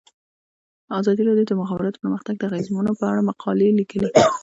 ازادي راډیو د د مخابراتو پرمختګ د اغیزو په اړه مقالو لیکلي.